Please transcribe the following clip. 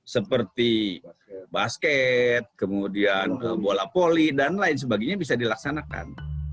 seperti basket kemudian bola poli dan lain sebagainya bisa dilaksanakan